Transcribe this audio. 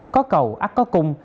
có cầu ác có cung